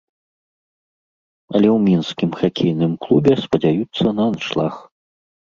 Але ў мінскім хакейным клубе спадзяюцца на аншлаг.